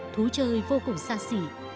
thú chơi vô cùng sa sỉ